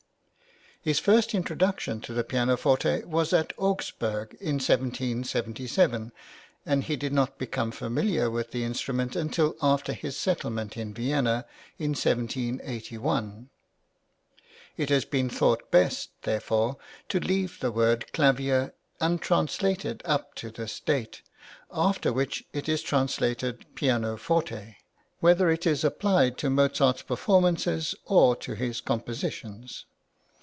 His first introduction to the pianoforte was at Augsburg, in 1777, and he did not become familiar with the instrument until after his settlement in Vienna in 1781. It has been thought best, therefore, to leave the word clavier untranslated up to this date, after which it is translated pianoforte, whether it is applied to Mozart's performances or to his compositions.